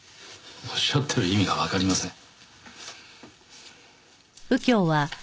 おっしゃってる意味がわかりません。